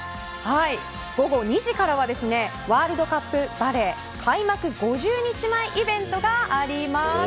午後２時からはワールドカップバレー開幕５０日前イベントがあります。